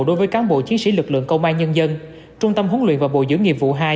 đối với cán bộ chiến sĩ lực lượng công an nhân dân trung tâm huấn luyện và bồi dưỡng nghiệp vụ hai